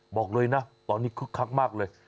บอกเลยนะตอนนี้คึกคักมากเลย